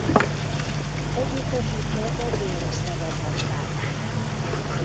Együttesüknek a Venus nevet adták.